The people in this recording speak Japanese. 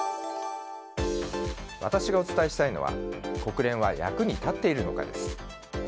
私がお伝えしたいのは国連は役に立っているのかです。